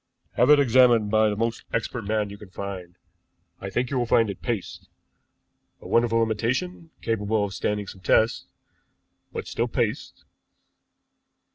"Have it examined by the most expert man you can find. I think you will find it is paste, a wonderful imitation, capable of standing some tests but still paste."